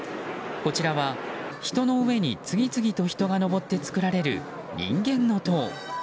こちらは、人の上に次々と人が登って作られる人間の塔。